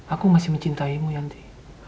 aku masih mencintaimu yanti